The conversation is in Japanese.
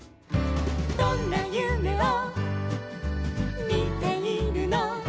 「どんなゆめをみているの」